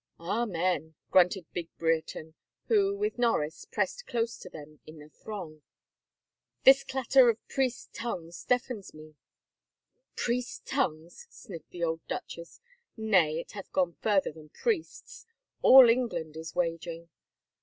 "Amen," grunted big Brereton, who, with Norris, pressed close to them in the throng. " This clatter of priests' tongues deafens me I "" Priests' tongues !" sniffed the old duchess. " Nay, it hath gone further than priests — all England is wag ging.